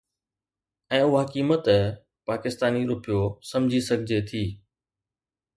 ۽ اها قيمت پاڪستاني رپيو سمجهي سگهجي ٿي